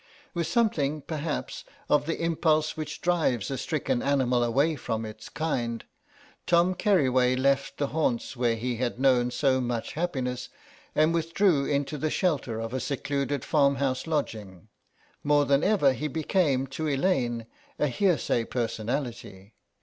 With something, perhaps, of the impulse which drives a stricken animal away from its kind, Tom Keriway left the haunts where he had known so much happiness, and withdrew into the shelter of a secluded farmhouse lodging; more than ever he became to Elaine a hearsay personality.